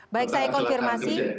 baik saya konfirmasi